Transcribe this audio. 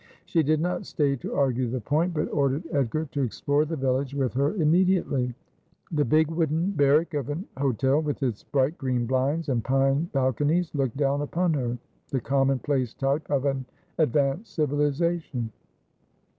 She did not stay to argue the point, but ordered Edgar to explore the village with her immediately. The big wooden barrack of an hotel, with its bright green blinds and pine balco nies, looked down upon her, the common place type of an ad vanced civilisation.